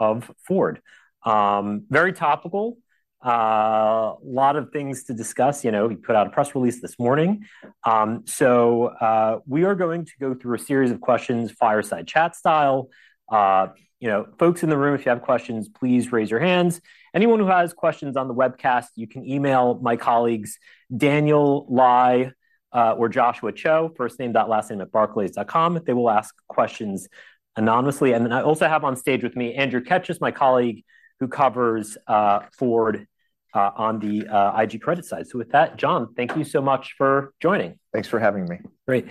of Ford. Very topical, a lot of things to discuss. You know, we put out a press release this morning. We are going to go through a series of questions, fireside chat style. You know, folks in the room, if you have questions, please raise your hands. Anyone who has questions on the webcast, you can email my colleagues, Daniel Lai, or Joshua Cho, first name.last name@barclays.com. They will ask questions anonymously. And then I also have on stage with me, Andrew Ketchum, my colleague, who covers, Ford, on the, IG credit side. So with that, John, thank you so much for joining. Thanks for having me. Great.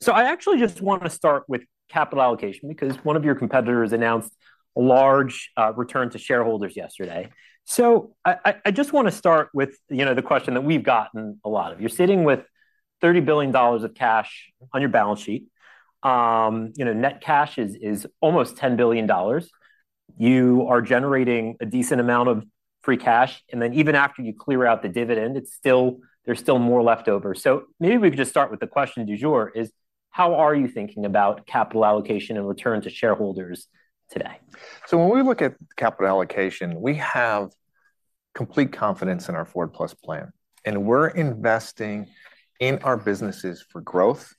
So I actually just want to start with capital allocation, because one of your competitors announced a large return to shareholders yesterday. So I just want to start with, you know, the question that we've gotten a lot of. You're sitting with $30 billion of cash on your balance sheet. You know, net cash is almost $10 billion. You are generating a decent amount of free cash, and then even after you clear out the dividend, it's still—there's still more left over. So maybe we could just start with the question du jour is: How are you thinking about capital allocation and return to shareholders today? So when we look at capital allocation, we have complete confidence in our Ford+ plan, and we're investing in our businesses for growth,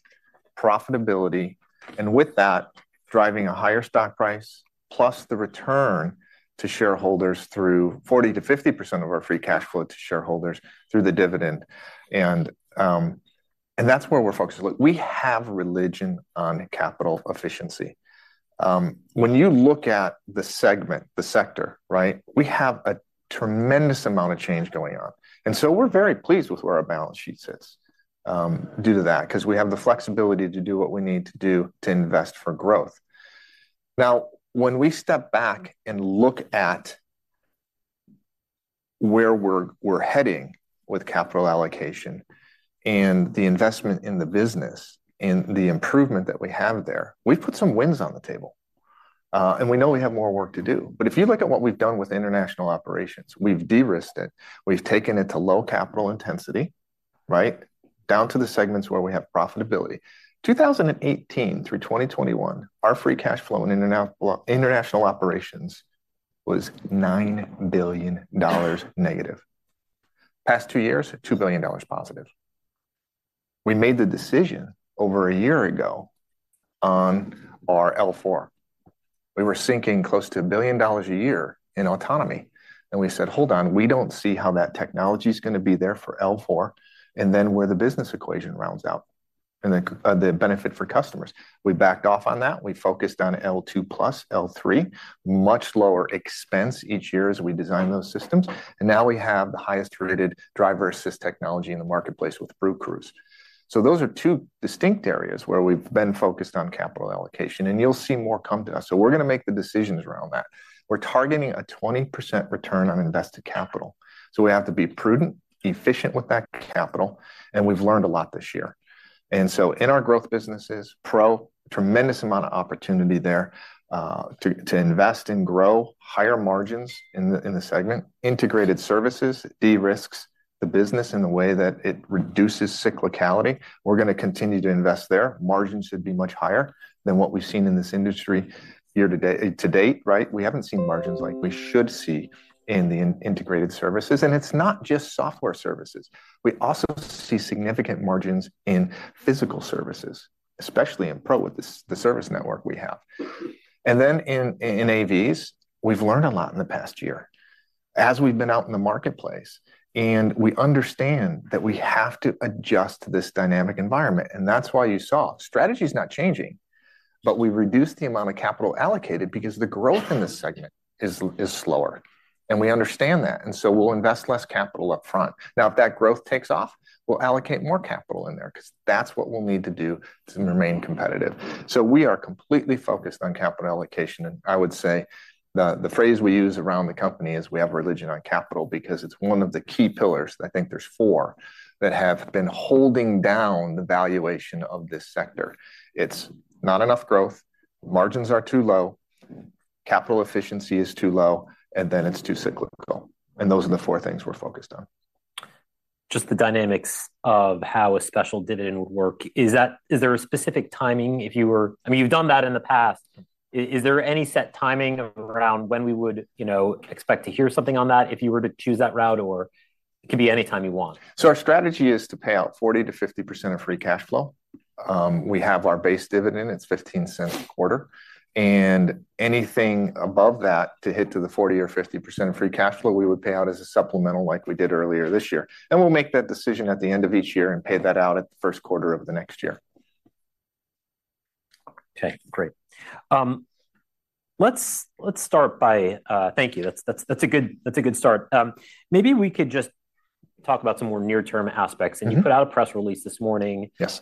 profitability, and with that, driving a higher stock price, plus the return to shareholders through 40%-50% of our free cash flow to shareholders through the dividend. And that's where we're focused. Look, we have religion on capital efficiency. When you look at the segment, the sector, right? We have a tremendous amount of change going on, and so we're very pleased with where our balance sheet sits, due to that, 'cause we have the flexibility to do what we need to do to invest for growth. Now, when we step back and look at where we're heading with capital allocation and the investment in the business and the improvement that we have there, we've put some wins on the table, and we know we have more work to do. But if you look at what we've done with international operations, we've de-risked it. We've taken it to low capital intensity, right? Down to the segments where we have profitability. 2018 through 2021, our free cash flow in international operations was negative $9 billion. Past two years, $2 billion positive. We made the decision over a year ago on our L4. We were sinking close to $1 billion a year in autonomy, and we said: "Hold on, we don't see how that technology's gonna be there for L4, and then where the business equation rounds out, and the, the benefit for customers." We backed off on that. We focused on L2+, L3, much lower expense each year as we design those systems, and now we have the highest-rated driver assist technology in the marketplace with BlueCruise. So those are two distinct areas where we've been focused on capital allocation, and you'll see more come to us. So we're gonna make the decisions around that. We're targeting a 20% return on invested capital. So we have to be prudent, efficient with that capital, and we've learned a lot this year. And so in our growth businesses, Pro, tremendous amount of opportunity there, to invest and grow higher margins in the segment. Integrated Services de-risks the business in the way that it reduces cyclicality. We're gonna continue to invest there. Margins should be much higher than what we've seen in this industry year to date, right? We haven't seen margins like we should see in the Integrated Services, and it's not just software services. We also see significant margins in physical services, especially in Pro, with the service network we have. And then in AVs, we've learned a lot in the past year as we've been out in the marketplace, and we understand that we have to adjust to this dynamic environment, and that's why you saw strategy is not changing. But we've reduced the amount of capital allocated because the growth in this segment is slower, and we understand that, and so we'll invest less capital up front. Now, if that growth takes off, we'll allocate more capital in there, 'cause that's what we'll need to do to remain competitive. So we are completely focused on capital allocation, and I would say the phrase we use around the company is, "We have religion on capital," because it's one of the key pillars, I think there's four, that have been holding down the valuation of this sector. It's not enough growth, margins are too low, capital efficiency is too low, and then it's too cyclical, and those are the four things we're focused on. Just the dynamics of how a special dividend would work. Is there a specific timing? I mean, you've done that in the past. Is there any set timing around when we would, you know, expect to hear something on that if you were to choose that route, or it could be any time you want? So our strategy is to pay out 40%-50% of free cash flow. We have our base dividend, it's $0.15 a quarter, and anything above that, to hit the 40% or 50% of free cash flow, we would pay out as a supplemental like we did earlier this year. And we'll make that decision at the end of each year and pay that out at the first quarter of the next year. Okay, great. Let's start by... Thank you. That's a good start. Maybe we could just talk about some more near-term aspects. Mm-hmm. You put out a press release this morning. Yes.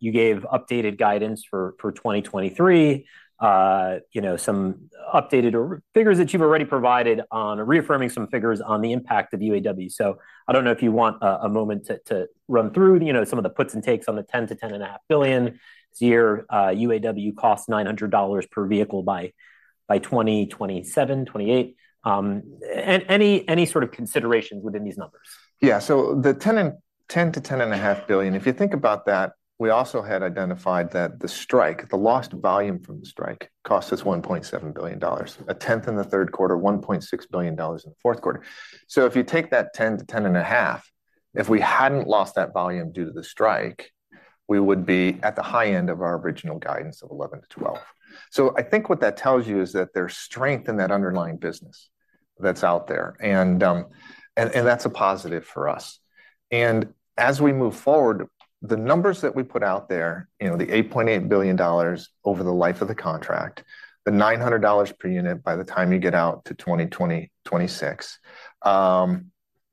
You gave updated guidance for 2023. You know, some updated or figures that you've already provided on reaffirming some figures on the impact of UAW. So I don't know if you want a moment to run through, you know, some of the puts and takes on the $10 billion-$10.5 billion this year, UAW cost $900 per vehicle by 2027, 2028. Any sort of considerations within these numbers? Yeah, so the 10-10.5 billion, if you think about that, we also had identified that the strike, the lost volume from the strike, cost us $1.7 billion, a tenth in the third quarter, $1.6 billion in the fourth quarter. So if you take that 10-10.5. If we hadn't lost that volume due to the strike, we would be at the high end of our original guidance of 11-12. So I think what that tells you is that there's strength in that underlying business that's out there, and that's a positive for us. As we move forward, the numbers that we put out there, you know, the $8.8 billion over the life of the contract, the $900 per unit by the time you get out to 2026,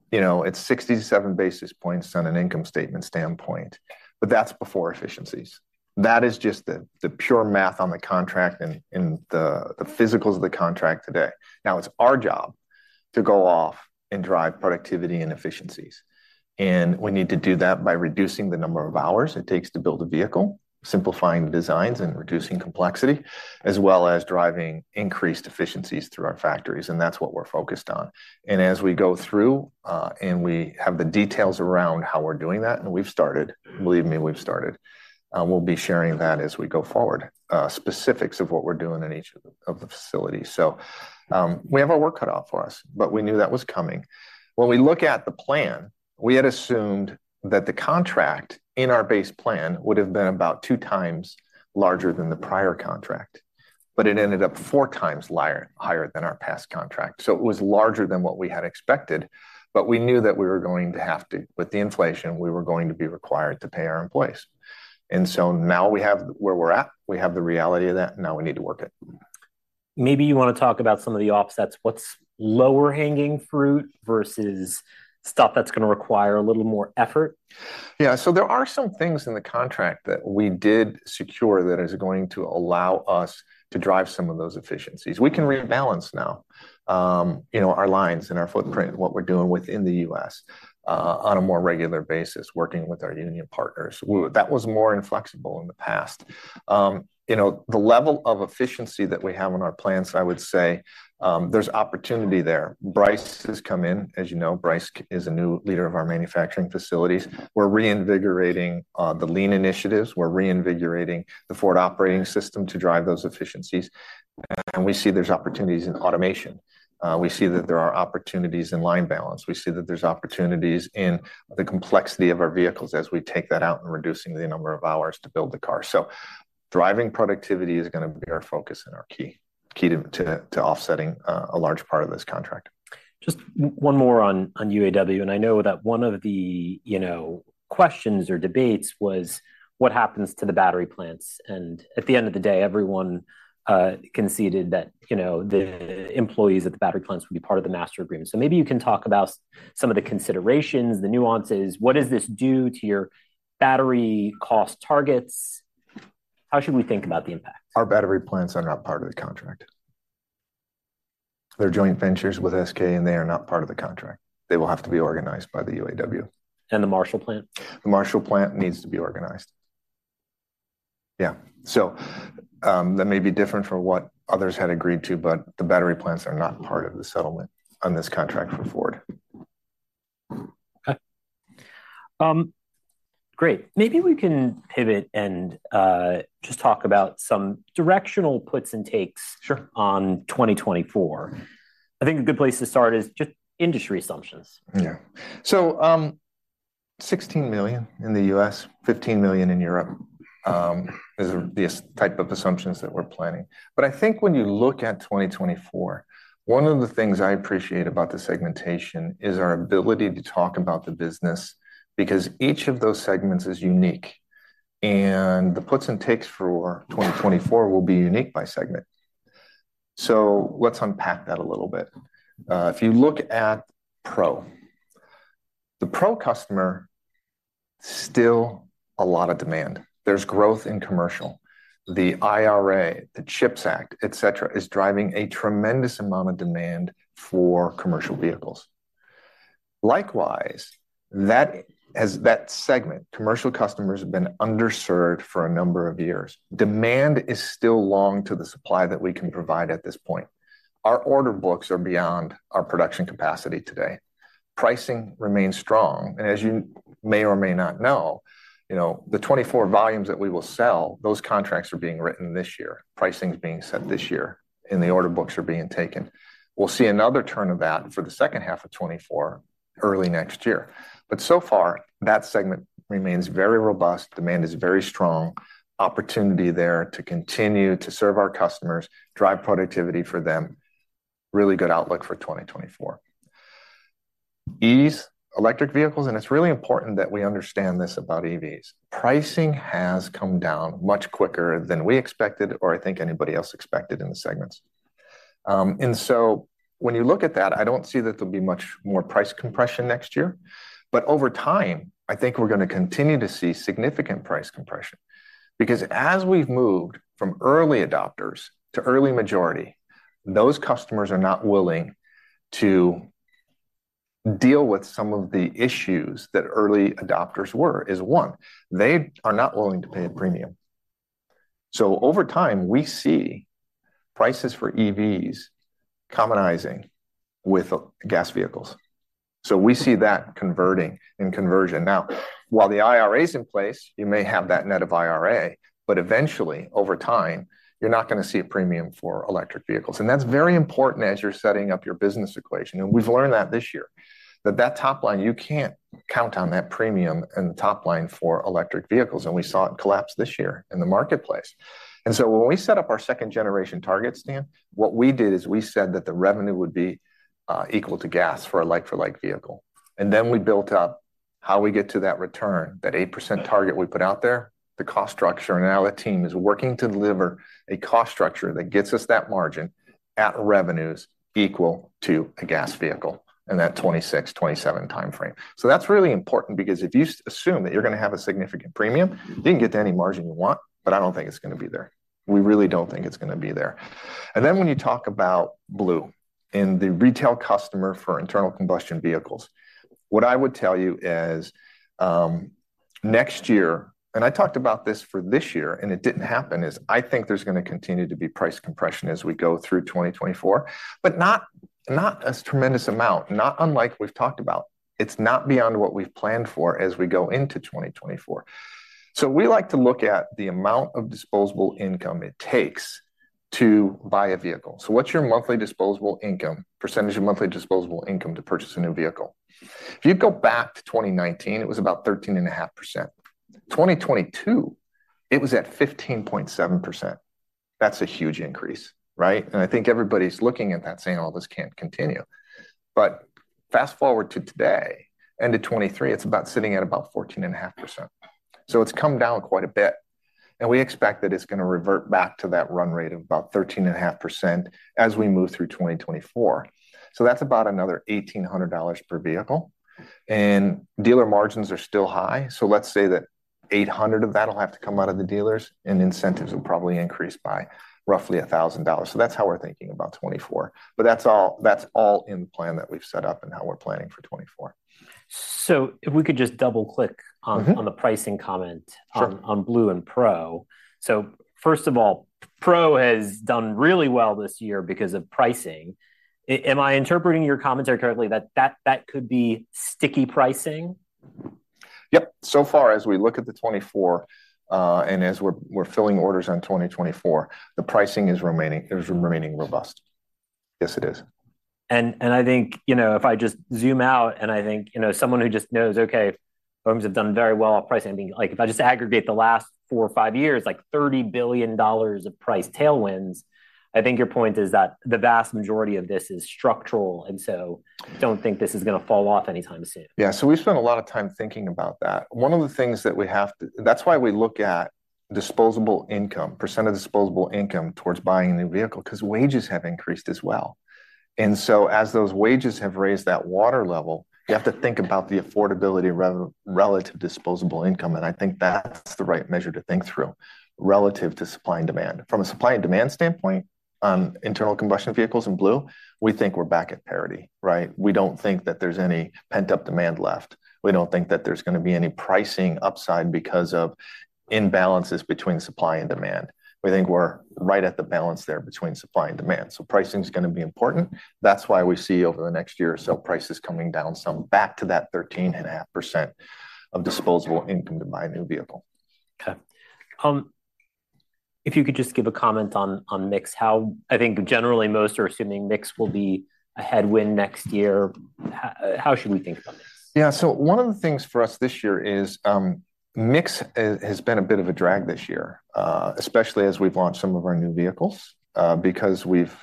you know, it's 67 basis points on an income statement standpoint, but that's before efficiencies. That is just the pure math on the contract and the physicals of the contract today. Now, it's our job to go off and drive productivity and efficiencies, and we need to do that by reducing the number of hours it takes to build a vehicle, simplifying the designs and reducing complexity, as well as driving increased efficiencies through our factories, and that's what we're focused on. And as we go through, and we have the details around how we're doing that, and we've started, believe me, we've started, we'll be sharing that as we go forward, specifics of what we're doing in each of the facilities. So, we have our work cut out for us, but we knew that was coming. When we look at the plan, we had assumed that the contract in our base plan would have been about two times larger than the prior contract, but it ended up four times higher than our past contract. So it was larger than what we had expected, but we knew that we were going to have to, with the inflation, we were going to be required to pay our employees. So now we have where we're at. We have the reality of that. Now we need to work it. Maybe you want to talk about some of the offsets. What's lower hanging fruit versus stuff that's gonna require a little more effort? Yeah. So there are some things in the contract that we did secure that is going to allow us to drive some of those efficiencies. We can rebalance now, you know, our lines and our footprint, what we're doing within the U.S., on a more regular basis, working with our union partners. That was more inflexible in the past. You know, the level of efficiency that we have on our plants, I would say, there's opportunity there. Bryce has come in. As you know, Bryce is a new leader of our manufacturing facilities. We're reinvigorating the lean initiatives. We're reinvigorating the Ford Operating System to drive those efficiencies, and we see there's opportunities in automation. We see that there are opportunities in line balance. We see that there's opportunities in the complexity of our vehicles as we take that out and reducing the number of hours to build the car. So driving productivity is gonna be our focus and our key to offsetting a large part of this contract. Just one more on UAW, and I know that one of the, you know, questions or debates was: What happens to the battery plants? And at the end of the day, everyone conceded that, you know, the employees at the battery plants would be part of the master agreement. So maybe you can talk about some of the considerations, the nuances. What does this do to your battery cost targets? How should we think about the impact? Our battery plants are not part of the contract. They're joint ventures with SK, and they are not part of the contract. They will have to be organized by the UAW. The Marshall Plant? The Marshall Plant needs to be organized. Yeah. So, that may be different from what others had agreed to, but the battery plants are not part of the settlement on this contract for Ford. Okay. Great! Maybe we can pivot and, just talk about some directional puts and takes- Sure. - on 2024. I think a good place to start is just industry assumptions. Yeah. So, 16 million in the US, 15 million in Europe, is the type of assumptions that we're planning. But I think when you look at 2024, one of the things I appreciate about the segmentation is our ability to talk about the business, because each of those segments is unique, and the puts and takes for 2024 will be unique by segment. So let's unpack that a little bit. If you look at Pro, the Pro customer, still a lot of demand. There's growth in commercial. The IRA, the CHIPS Act, et cetera, is driving a tremendous amount of demand for commercial vehicles. Likewise, as that segment, commercial customers have been underserved for a number of years. Demand is still long to the supply that we can provide at this point. Our order books are beyond our production capacity today. Pricing remains strong, and as you may or may not know, you know, the 2024 volumes that we will sell, those contracts are being written this year, pricing is being set this year, and the order books are being taken. We'll see another turn of that for the second half of 2024, early next year. But so far, that segment remains very robust. Demand is very strong. Opportunity there to continue to serve our customers, drive productivity for them. Really good outlook for 2024. EVs, electric vehicles, and it's really important that we understand this about EVs. Pricing has come down much quicker than we expected or I think anybody else expected in the segments. And so when you look at that, I don't see that there'll be much more price compression next year, but over time, I think we're gonna continue to see significant price compression. Because as we've moved from early adopters to early majority, those customers are not willing to deal with some of the issues that early adopters were, is one. They are not willing to pay a premium. So over time, we see prices for EVs commonizing with gas vehicles. So we see that converting in conversion. Now, while the IRA is in place, you may have that net of IRA, but eventually, over time, you're not gonna see a premium for electric vehicles, and that's very important as you're setting up your business equation. And we've learned that this year, that top line, you can't count on that premium and the top line for electric vehicles, and we saw it collapse this year in the marketplace. When we set up our second-generation target, Dan, what we did is we said that the revenue would be equal to gas for a like for like vehicle. Then we built up how we get to that return, that 8% target we put out there, the cost structure, and now the team is working to deliver a cost structure that gets us that margin at revenues equal to a gas vehicle in that 2026-2027 time frame. So that's really important because if you assume that you're going to have a significant premium, you can get to any margin you want, but I don't think it's going to be there. We really don't think it's going to be there. And then, when you talk about Blue and the retail customer for internal combustion vehicles, what I would tell you is, next year, and I talked about this for this year, and it didn't happen, is I think there's going to continue to be price compression as we go through 2024, but not, not a tremendous amount, not unlike we've talked about. It's not beyond what we've planned for as we go into 2024. So we like to look at the amount of disposable income it takes to buy a vehicle. So what's your monthly disposable income percentage of monthly disposable income to purchase a new vehicle? If you go back to 2019, it was about 13.5%. 2022, it was at 15.7%. That's a huge increase, right? I think everybody's looking at that saying, "Well, this can't continue." But fast-forward to today, end of 2023, it's about sitting at about 14.5%. So it's come down quite a bit, and we expect that it's going to revert back to that run rate of about 13.5% as we move through 2024. So that's about another $1,800 per vehicle. And dealer margins are still high, so let's say that $800 of that will have to come out of the dealers, and incentives will probably increase by roughly $1,000. So that's how we're thinking about 2024. But that's all, that's all in the plan that we've set up and how we're planning for 2024. If we could just double-click on- Mm-hmm. on the pricing comment Sure... on Blue and Pro. So first of all, Pro has done really well this year because of pricing. Am I interpreting your commentary correctly, that could be sticky pricing? Yep. So far, as we look at the 2024, and as we're filling orders on 2024, the pricing is remaining robust. Yes, it is. I think, you know, if I just zoom out, and I think, you know, someone who just knows, okay, OEMs have done very well at pricing. I mean, like, if I just aggregate the last four or five years, like, $30 billion of price tailwinds, I think your point is that the vast majority of this is structural, and so don't think this is going to fall off anytime soon. Yeah. So we've spent a lot of time thinking about that. That's why we look at disposable income, percent of disposable income towards buying a new vehicle, because wages have increased as well. And so as those wages have raised that water level, you have to think about the affordability relative disposable income, and I think that's the right measure to think through relative to supply and demand. From a supply and demand standpoint, on internal combustion vehicles in Blue, we think we're back at parity, right? We don't think that there's any pent-up demand left. We don't think that there's going to be any pricing upside because of imbalances between supply and demand. We think we're right at the balance there between supply and demand, so pricing is going to be important. That's why we see over the next year or so, prices coming down some back to that 13.5% of disposable income to buy a new vehicle. Okay. If you could just give a comment on mix, how... I think generally most are assuming mix will be a headwind next year. How should we think about this? Yeah, so one of the things for us this year is, mix has been a bit of a drag this year, especially as we've launched some of our new vehicles, because we've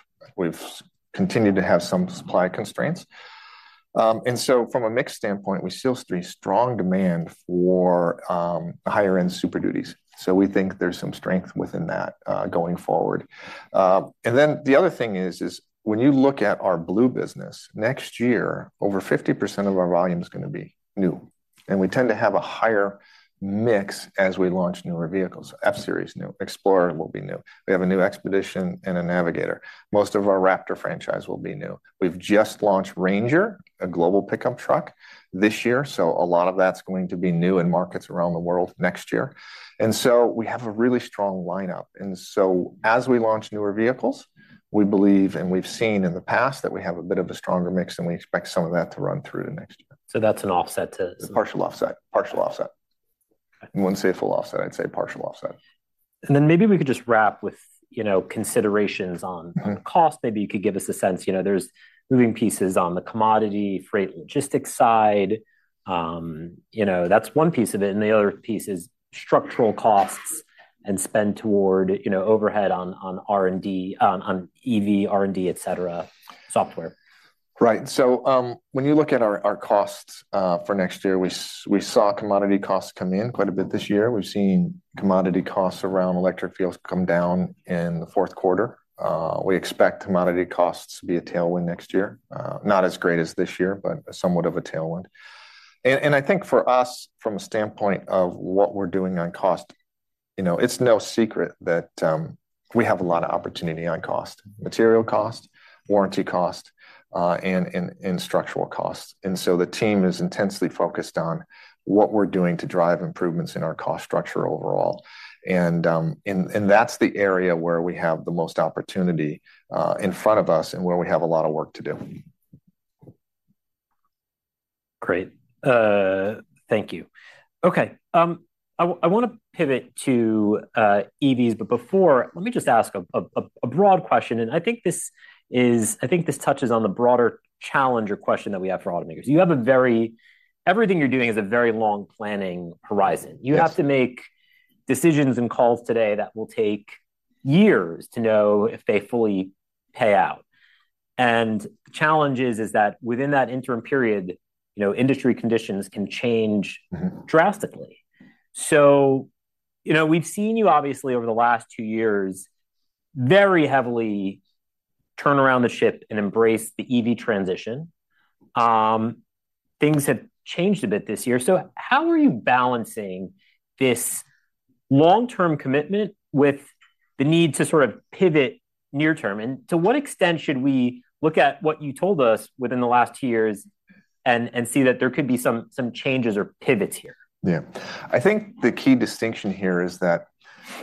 continued to have some supply constraints. And so from a mix standpoint, we still see strong demand for, higher-end Super Duty, so we think there's some strength within that, going forward. And then the other thing is, when you look at our Blue business, next year, over 50% of our volume is going to be new, and we tend to have a higher mix as we launch newer vehicles. F-Series, new. Explorer will be new. We have a new Expedition and a Navigator. Most of our Raptor franchise will be new. We've just launched Ranger, a global pickup truck, this year, so a lot of that's going to be new in markets around the world next year. And so we have a really strong lineup, and so as we launch newer vehicles, we believe, and we've seen in the past, that we have a bit of a stronger mix, and we expect some of that to run through to next year. So that's an offset to- A partial offset. Partial offset. Okay. I wouldn't say a full offset. I'd say a partial offset. Then, maybe we could just wrap with, you know, considerations on- Mm-hmm on cost. Maybe you could give us a sense. You know, there's moving pieces on the commodity, freight, logistics side. You know, that's one piece of it, and the other piece is structural costs and spend toward, you know, overhead on R&D, on EV R&D, et cetera, software. Right. So, when you look at our costs for next year, we saw commodity costs come in quite a bit this year. We've seen commodity costs around electric vehicles come down in the fourth quarter. We expect commodity costs to be a tailwind next year. Not as great as this year, but somewhat of a tailwind. And I think for us, from a standpoint of what we're doing on cost, you know, it's no secret that we have a lot of opportunity on cost: material cost, warranty cost, and structural costs. And so the team is intensely focused on what we're doing to drive improvements in our cost structure overall, and that's the area where we have the most opportunity in front of us and where we have a lot of work to do. Great. Thank you. Okay, I wanna pivot to EVs, but before, let me just ask a broad question, and I think this is—I think this touches on the broader challenge or question that we have for automakers. You have a very—everything you're doing is a very long planning horizon. Yes. You have to make decisions and calls today that will take years to know if they fully pay out. And the challenge is, that within that interim period, you know, industry conditions can change- Mm-hmm. -drastically. So, you know, we've seen you obviously over the last two years, very heavily turn around the ship and embrace the EV transition. Things have changed a bit this year. So how are you balancing this long-term commitment with the need to sort of pivot near term? And to what extent should we look at what you told us within the last two years and see that there could be some changes or pivots here? Yeah. I think the key distinction here is that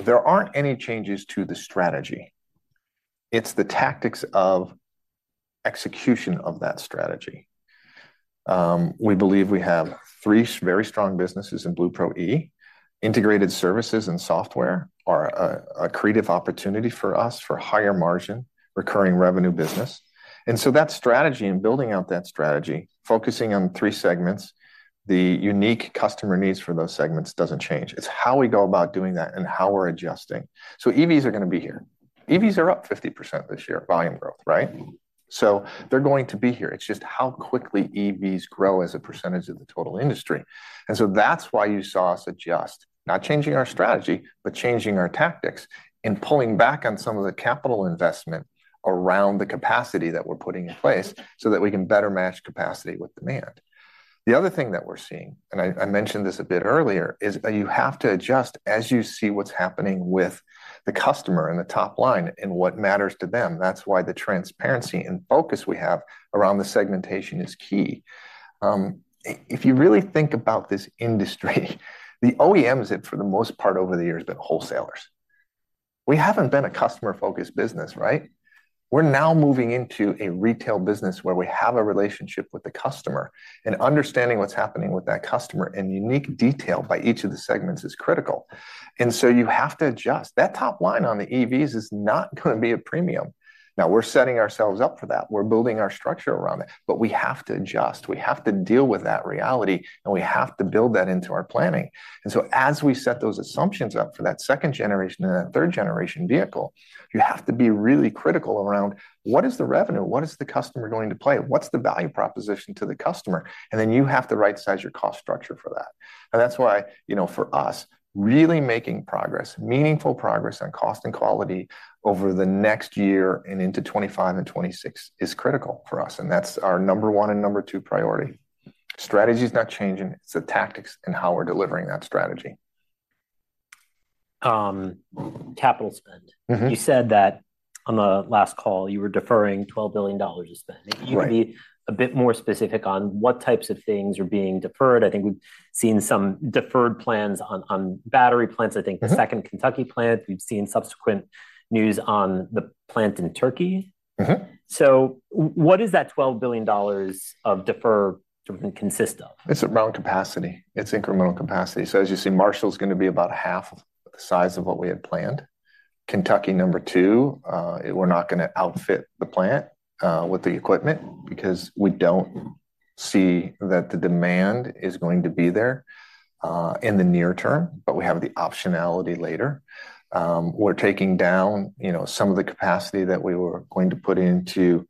there aren't any changes to the strategy. It's the tactics of execution of that strategy. We believe we have three very strong businesses in Blue, Pro, E. Integrated services and software are a creative opportunity for us for higher margin, recurring revenue business. And so that strategy and building out that strategy, focusing on three segments, the unique customer needs for those segments doesn't change. It's how we go about doing that and how we're adjusting. So EVs are gonna be here. EVs are up 50% this year, volume growth, right? So they're going to be here. It's just how quickly EVs grow as a percentage of the total industry. So that's why you saw us adjust, not changing our strategy, but changing our tactics and pulling back on some of the capital investment around the capacity that we're putting in place, so that we can better match capacity with demand. The other thing that we're seeing, and I mentioned this a bit earlier, is you have to adjust as you see what's happening with the customer and the top line and what matters to them. That's why the transparency and focus we have around the segmentation is key. If you really think about this industry, the OEMs have, for the most part, over the years, been wholesalers. We haven't been a customer-focused business, right? We're now moving into a retail business where we have a relationship with the customer, and understanding what's happening with that customer in unique detail by each of the segments is critical. And so you have to adjust. That top line on the EVs is not gonna be a premium. Now, we're setting ourselves up for that. We're building our structure around it, but we have to adjust. We have to deal with that reality, and we have to build that into our planning. And so, as we set those assumptions up for that second generation and that third-generation vehicle, you have to be really critical around: What is the revenue? What is the customer going to pay? What's the value proposition to the customer? And then, you have to rightsize your cost structure for that. That's why, you know, for us, really making progress, meaningful progress on cost and quality over the next year and into 2025 and 2026 is critical for us, and that's our number one and number two priority. Strategy is not changing. It's the tactics and how we're delivering that strategy. Capital spend. Mm-hmm. You said that on the last call, you were deferring $12 billion of spend. Right. If you can be a bit more specific on what types of things are being deferred? I think we've seen some deferred plans on battery plants- Mm-hmm. I think the second Kentucky plant. We've seen subsequent news on the plant in Turkey. Mm-hmm. So what does that $12 billion of defer consist of? It's around capacity. It's incremental capacity. So as you see, Marshall's gonna be about half the size of what we had planned. Kentucky number two, we're not gonna outfit the plant with the equipment because we don't see that the demand is going to be there in the near term, but we have the optionality later. We're taking down, you know, some of the capacity that we were going to put into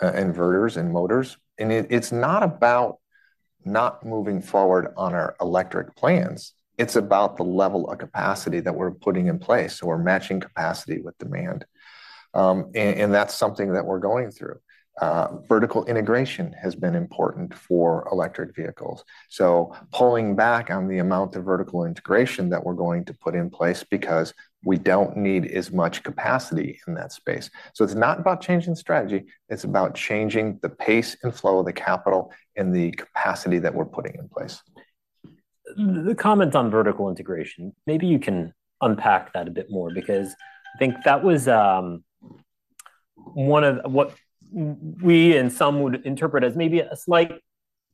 inverters and motors. And it's not about not moving forward on our electric plans; it's about the level of capacity that we're putting in place, so we're matching capacity with demand. And that's something that we're going through. Vertical integration has been important for electric vehicles, so pulling back on the amount of vertical integration that we're going to put in place because we don't need as much capacity in that space. So it's not about changing strategy, it's about changing the pace and flow of the capital and the capacity that we're putting in place. The comment on vertical integration, maybe you can unpack that a bit more, because I think that was, one of... what we and some would interpret as maybe a slight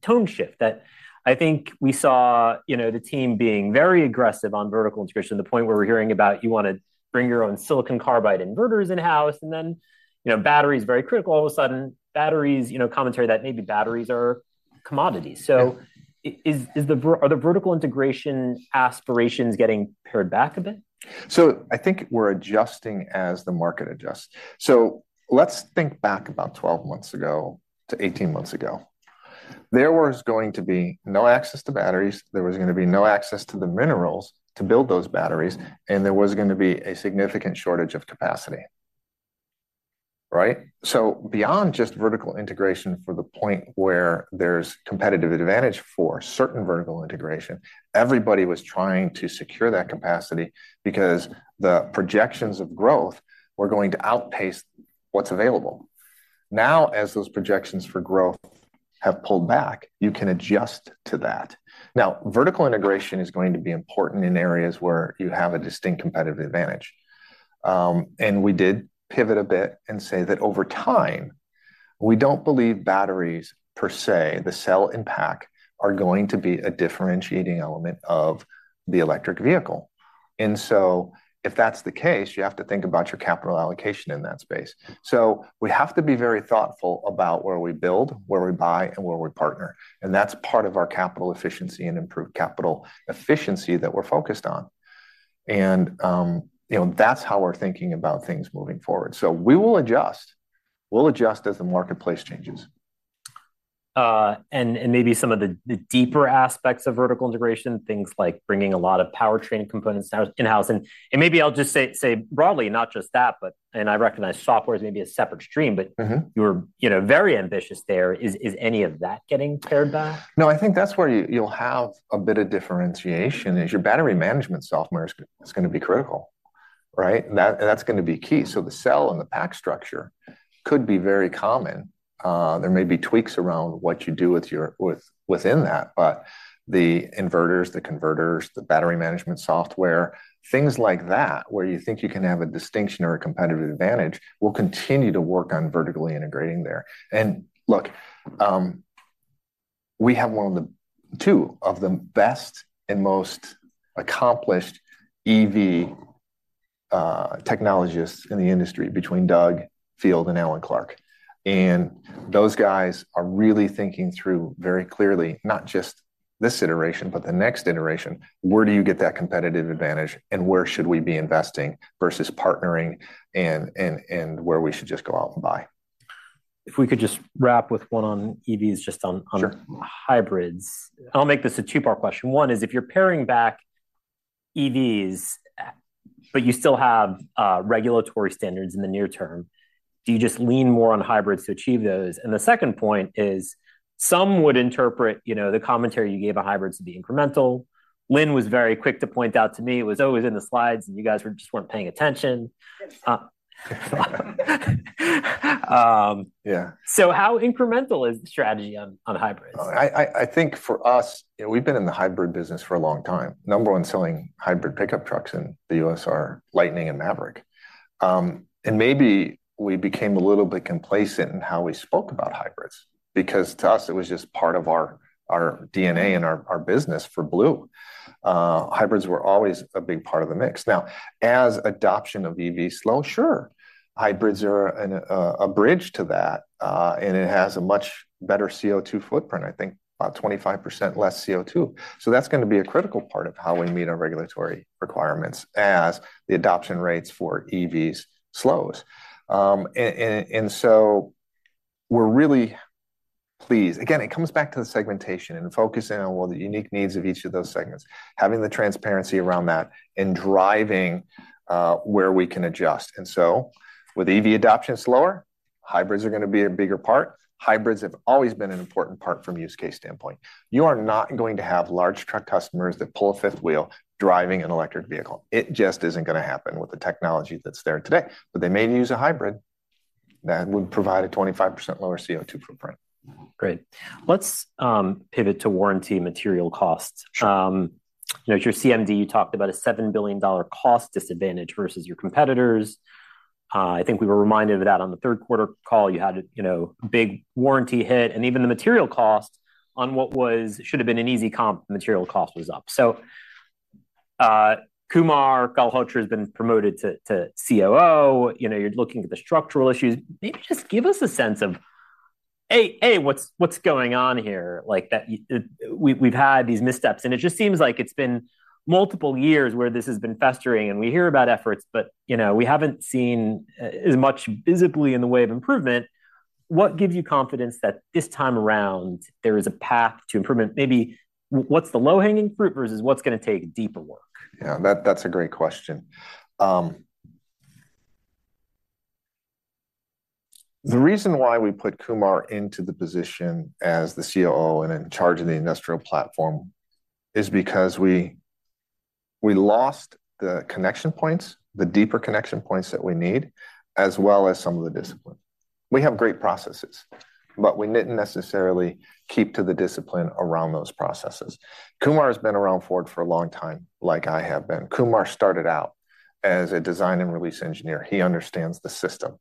tone shift, that I think we saw, you know, the team being very aggressive on vertical integration, to the point where we're hearing about you wanna bring your own silicon carbide inverters in-house, and then, you know, battery is very critical. All of a sudden, batteries, you know, commentary that maybe batteries are commodities. Yeah. So, is the vertical integration aspirations getting pared back a bit? So I think we're adjusting as the market adjusts. So let's think back about 12 months ago to 18 months ago. There was going to be no access to batteries, there was gonna be no access to the minerals to build those batteries, and there was gonna be a significant shortage of capacity, right? So beyond just vertical integration, for the point where there's competitive advantage for certain vertical integration, everybody was trying to secure that capacity because the projections of growth were going to outpace what's available. Now, as those projections for growth have pulled back, you can adjust to that. Now, vertical integration is going to be important in areas where you have a distinct competitive advantage. And we did pivot a bit and say that over time, we don't believe batteries, per se, the cell and pack, are going to be a differentiating element of the electric vehicle. And so if that's the case, you have to think about your capital allocation in that space. So we have to be very thoughtful about where we build, where we buy, and where we partner, and that's part of our capital efficiency and improved capital efficiency that we're focused on. And, you know, that's how we're thinking about things moving forward. So we will adjust. We'll adjust as the marketplace changes. And maybe some of the deeper aspects of vertical integration, things like bringing a lot of powertrain components in-house. And maybe I'll just say broadly, not just that, but—and I recognize software is maybe a separate stream, but— Mm-hmm. -you're, you know, very ambitious there. Is any of that getting pared back? No, I think that's where you, you'll have a bit of differentiation, is your battery management software is, is going to be critical, right? That, and that's going to be key. So the cell and the pack structure could be very common. There may be tweaks around what you do within that, but the inverters, the converters, the battery management software, things like that, where you think you can have a distinction or a competitive advantage, we'll continue to work on vertically integrating there. And look, we have two of the best and most accomplished EV technologists in the industry, between Doug Field and Alan Clarke. Those guys are really thinking through very clearly, not just this iteration, but the next iteration, where do you get that competitive advantage, and where should we be investing versus partnering, and, and, and where we should just go out and buy? If we could just wrap with one on EVs, just on- Sure. On hybrids. I'll make this a two-part question. One is, if you're paring back EVs, but you still have regulatory standards in the near term, do you just lean more on hybrids to achieve those? And the second point is, some would interpret, you know, the commentary you gave on hybrids to be incremental. Lynn was very quick to point out to me, it was always in the slides, and you guys were just weren't paying attention. Yeah. How incremental is the strategy on hybrids? I think for us, we've been in the hybrid business for a long time. Number one, selling hybrid pickup trucks in the U.S. are Lightning and Maverick. And maybe we became a little bit complacent in how we spoke about hybrids, because to us, it was just part of our DNA and our business for Blue. Hybrids were always a big part of the mix. Now, as adoption of EV slows, sure, hybrids are a bridge to that, and it has a much better CO₂ footprint, I think about 25% less CO₂. So that's going to be a critical part of how we meet our regulatory requirements as the adoption rates for EVs slows. And so we're really pleased. Again, it comes back to the segmentation and focusing on all the unique needs of each of those segments, having the transparency around that, and driving where we can adjust. And so with EV adoption slower, hybrids are going to be a bigger part. Hybrids have always been an important part from a use case standpoint. You are not going to have large truck customers that pull a fifth wheel driving an electric vehicle. It just isn't going to happen with the technology that's there today. But they may use a hybrid that would provide a 25% lower CO₂ footprint. Great. Let's pivot to warranty material costs. Sure. You know, at your CMD, you talked about a $7 billion cost disadvantage versus your competitors. I think we were reminded of that on the third quarter call. You had, you know, big warranty hit, and even the material cost on what was, should have been an easy comp, material cost was up. So, Kumar Galhotra has been promoted to COO. You know, you're looking at the structural issues. Maybe just give us a sense of what's going on here? Like, that we've had these missteps, and it just seems like it's been multiple years where this has been festering, and we hear about efforts, but, you know, we haven't seen as much visibly in the way of improvement. What gives you confidence that this time around, there is a path to improvement? Maybe what's the low-hanging fruit versus what's going to take deeper work? Yeah, that, that's a great question. The reason why we put Kumar into the position as the COO and in charge of the industrial platform is because we, we lost the connection points, the deeper connection points that we need, as well as some of the discipline. We have great processes, but we didn't necessarily keep to the discipline around those processes. Kumar has been around Ford for a long time, like I have been. Kumar started out as a design and release engineer. He understands the system.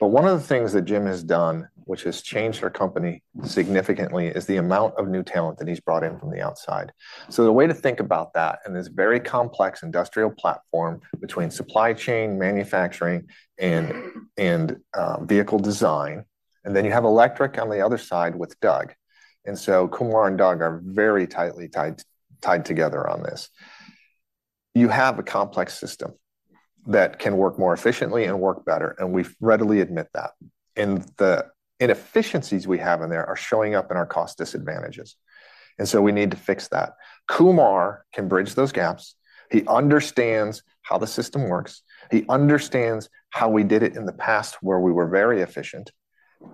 But one of the things that Jim has done, which has changed our company significantly, is the amount of new talent that he's brought in from the outside. So the way to think about that, in this very complex industrial platform between supply chain, manufacturing, and vehicle design, and then you have electric on the other side with Doug, and so Kumar and Doug are very tightly tied together on this. You have a complex system that can work more efficiently and work better, and we readily admit that. The inefficiencies we have in there are showing up in our cost disadvantages, and so we need to fix that. Kumar can bridge those gaps. He understands how the system works. He understands how we did it in the past, where we were very efficient.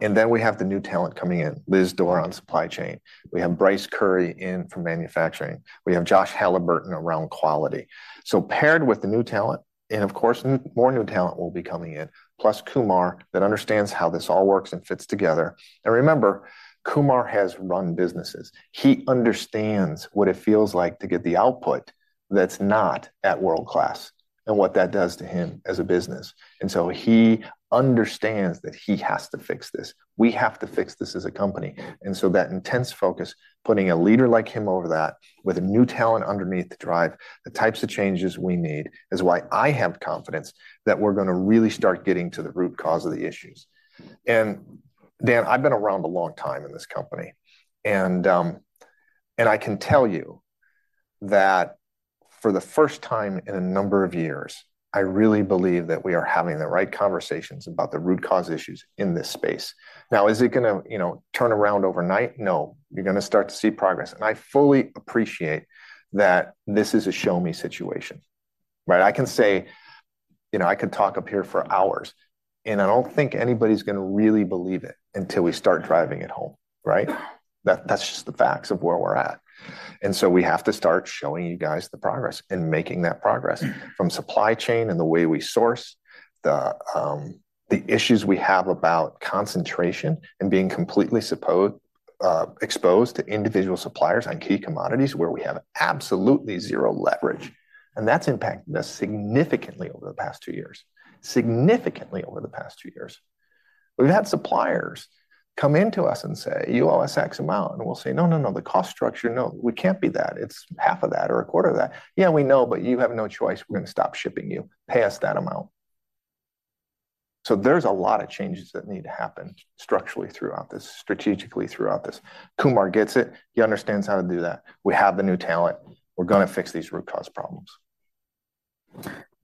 Then we have the new talent coming in, Liz Door, on supply chain. We have Bryce Currie in from manufacturing. We have Josh Halliburton around quality. So paired with the new talent, and of course, more new talent will be coming in, plus Kumar, that understands how this all works and fits together. And remember, Kumar has run businesses. He understands what it feels like to get the output that's not at world-class and what that does to him as a business. And so he understands that he has to fix this. We have to fix this as a company. And so that intense focus, putting a leader like him over that, with new talent underneath to drive the types of changes we need, is why I have confidence that we're going to really start getting to the root cause of the issues. And Dan, I've been around a long time in this company, and, and I can tell you-... that for the first time in a number of years, I really believe that we are having the right conversations about the root cause issues in this space. Now, is it gonna, you know, turn around overnight? No, you're gonna start to see progress. And I fully appreciate that this is a show-me situation, right? I can say, you know, I could talk up here for hours, and I don't think anybody's gonna really believe it until we start driving it home, right? That, that's just the facts of where we're at. So we have to start showing you guys the progress and making that progress from supply chain and the way we source, the issues we have about concentration and being completely exposed to individual suppliers on key commodities where we have absolutely zero leverage, and that's impacted us significantly over the past two years. Significantly over the past two years. We've had suppliers come into us and say, "You owe us X amount," and we'll say, "No, no, no, the cost structure, no, we can't be that. It's half of that or a quarter of that." "Yeah, we know, but you have no choice. We're gonna stop shipping you. Pay us that amount." So there's a lot of changes that need to happen structurally throughout this, strategically throughout this. Kumar gets it. He understands how to do that. We have the new talent. We're gonna fix these root cause problems.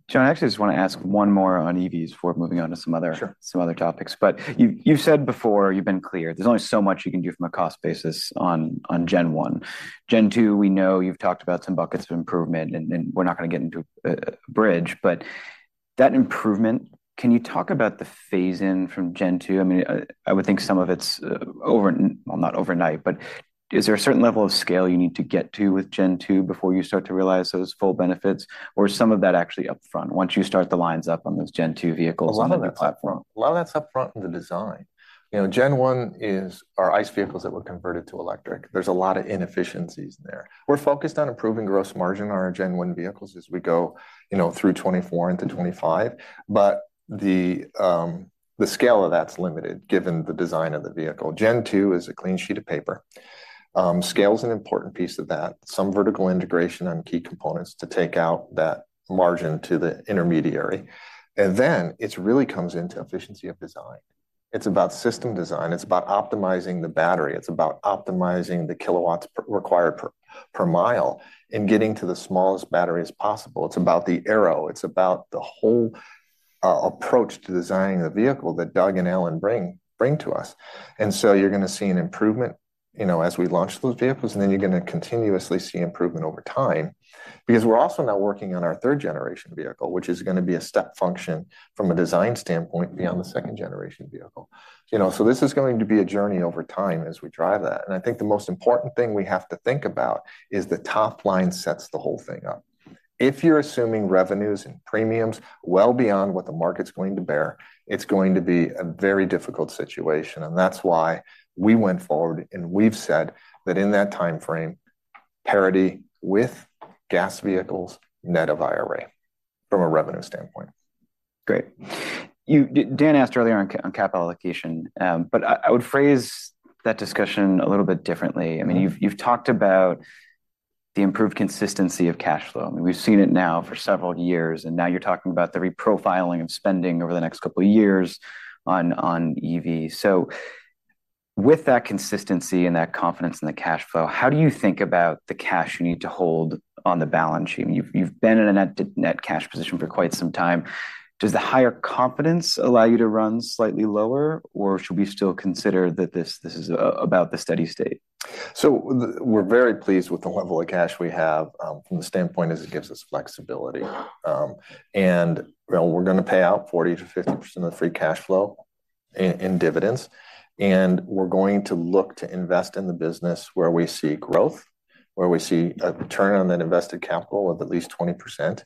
John, I actually just want to ask one more on EVs before moving on to some other- Sure. Some other topics. But you, you've said before, you've been clear, there's only so much you can do from a cost basis on Gen One. Gen Two, we know you've talked about some buckets of improvement, and we're not gonna get into Bridge, but that improvement, can you talk about the phase-in from Gen Two? I mean, I would think some of it's over, well, not overnight, but is there a certain level of scale you need to get to with Gen Two before you start to realize those full benefits, or is some of that actually upfront once you start the lines up on those Gen Two vehicles on the platform? A lot of that's upfront in the design. You know, Gen One is our ICE vehicles that were converted to electric. There's a lot of inefficiencies there. We're focused on improving gross margin on our Gen One vehicles as we go, you know, through 2024 into 2025, but the scale of that's limited, given the design of the vehicle. Gen Two is a clean sheet of paper. Scale is an important piece of that. Some vertical integration on key components to take out that margin to the intermediary, and then it really comes into efficiency of design. It's about system design, it's about optimizing the battery, it's about optimizing the kilowatts required per mile and getting to the smallest battery as possible. It's about the aero, it's about the whole approach to designing the vehicle that Doug and Alan bring to us. So you're gonna see an improvement, you know, as we launch those vehicles, and then you're gonna continuously see improvement over time. Because we're also now working on our third-generation vehicle, which is gonna be a step function from a design standpoint beyond the second-generation vehicle. You know, so this is going to be a journey over time as we drive that, and I think the most important thing we have to think about is the top line sets the whole thing up. If you're assuming revenues and premiums well beyond what the market's going to bear, it's going to be a very difficult situation, and that's why we went forward, and we've said that in that timeframe, parity with gas vehicles, net of IRA, from a revenue standpoint. Great. Dan asked earlier on capital allocation, but I would phrase that discussion a little bit differently. Mm-hmm. I mean, you've talked about the improved consistency of cash flow, and we've seen it now for several years, and now you're talking about the reprofiling of spending over the next couple of years on EV. So with that consistency and that confidence in the cash flow, how do you think about the cash you need to hold on the balance sheet? You've been in a net cash position for quite some time. Does the higher confidence allow you to run slightly lower, or should we still consider that this is about the steady state? We're very pleased with the level of cash we have from the standpoint as it gives us flexibility. And, well, we're gonna pay out 40%-50% of the free cash flow in dividends, and we're going to look to invest in the business where we see growth, where we see a return on that invested capital of at least 20%,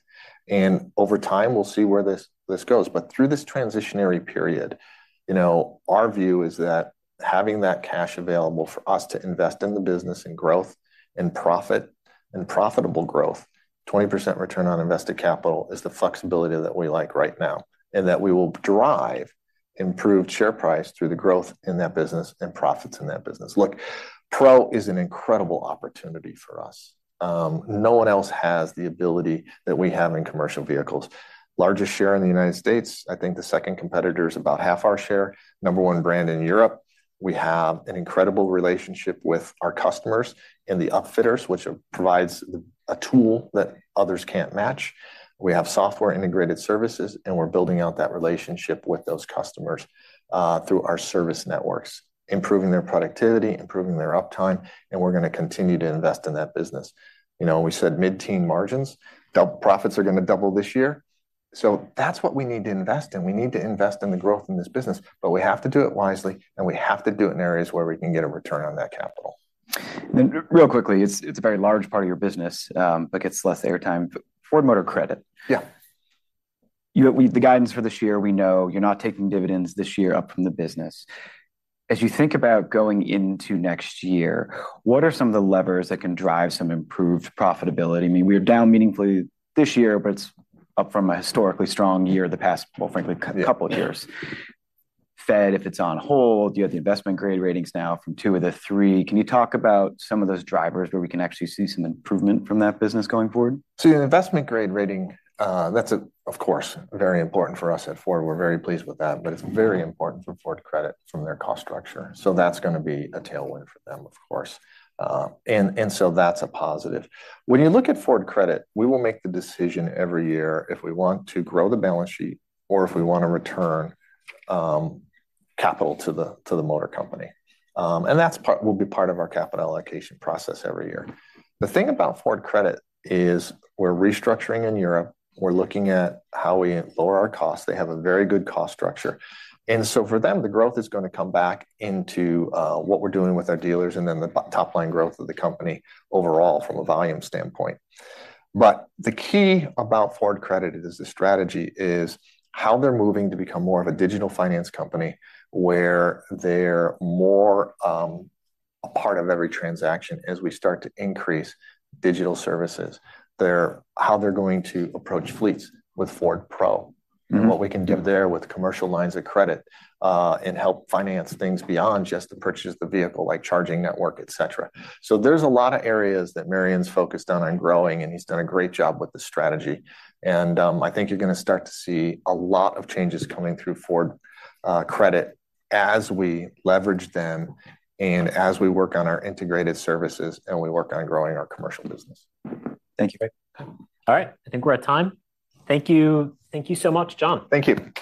and over time, we'll see where this goes. But through this transitionary period, you know, our view is that having that cash available for us to invest in the business and growth and profit and profitable growth, 20% return on invested capital is the flexibility that we like right now, and that we will drive improved share price through the growth in that business and profits in that business. Look, Pro is an incredible opportunity for us. No one else has the ability that we have in commercial vehicles. Largest share in the United States. I think the second competitor is about half our share. Number one brand in Europe. We have an incredible relationship with our customers and the upfitters, which provides a tool that others can't match. We have software-integrated services, and we're building out that relationship with those customers through our service networks, improving their productivity, improving their uptime, and we're gonna continue to invest in that business. You know, we said mid-teen margins. Double-- profits are gonna double this year. So that's what we need to invest in. We need to invest in the growth in this business, but we have to do it wisely, and we have to do it in areas where we can get a return on that capital. Real quickly, it's a very large part of your business, but gets less air time. Ford Motor Credit. Yeah. You know, the guidance for this year, we know you're not taking dividends this year up from the business. As you think about going into next year, what are some of the levers that can drive some improved profitability? I mean, we are down meaningfully this year, but it's up from a historically strong year, the past, well, frankly, couple of years. Yeah. Fed, if it's on hold, you have the investment-grade ratings now from two of the three. Can you talk about some of those drivers where we can actually see some improvement from that business going forward? So the investment-grade rating, that's, of course, very important for us at Ford. We're very pleased with that, but it's very important for Ford Credit from their cost structure, so that's gonna be a tailwind for them, of course. And so that's a positive. When you look at Ford Credit, we will make the decision every year if we want to grow the balance sheet or if we want to return capital to the motor company. And that will be part of our capital allocation process every year. The thing about Ford Credit is we're restructuring in Europe. We're looking at how we lower our costs. They have a very good cost structure, and so for them, the growth is gonna come back into what we're doing with our dealers and then the top-line growth of the company overall from a volume standpoint. But the key about Ford Credit is the strategy, is how they're moving to become more of a digital finance company, where they're more a part of every transaction as we start to increase digital services. How they're going to approach fleets with Ford Pro- Mm-hmm... and what we can do there with commercial lines of credit, and help finance things beyond just the purchase of the vehicle, like charging network, et cetera. So there's a lot of areas that Marion's focused on, on growing, and he's done a great job with the strategy. And, I think you're gonna start to see a lot of changes coming through Ford Credit as we leverage them and as we work on our Integrated Services and we work on growing our commercial business. Thank you. All right, I think we're at time. Thank you. Thank you so much, John. Thank you.